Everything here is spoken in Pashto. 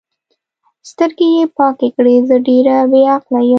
سترګې یې پاکې کړې: زه ډېره بې عقله یم.